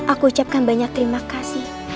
aku ucapkan banyak terimakasih